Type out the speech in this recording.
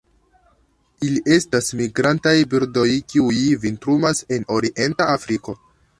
Ili estas migrantaj birdoj, kiuj vintrumas en orienta Afriko.